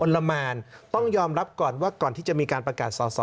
ละมานต้องยอมรับก่อนว่าก่อนที่จะมีการประกาศสอสอ